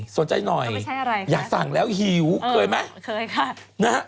สนใจหน่อยอยากสั่งแล้วหิวเคยมั้ยเคยค่ะ